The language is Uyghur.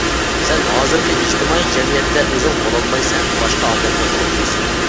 سەن ھازىرقى ئىجتىمائىي جەمئىيەتتە ئۆزۈڭ بولالمايسەن، باشقا ئادەممۇ بولالمايسەن.